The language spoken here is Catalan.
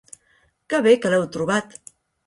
Que bé que l'heu trobat.